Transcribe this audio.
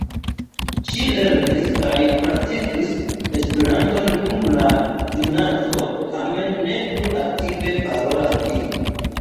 Ŝi lernis kaj praktikis Esperanton dum la junaĝo, tamen ne plu aktive parolas ĝin.